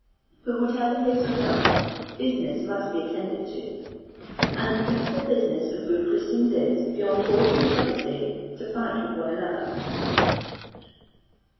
But whatever lives or dies, business must be attended to; and the principal business of good Christians is, beyond all controversy, to fight with one another.